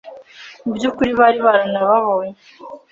mu by'ukuri bari baranabonye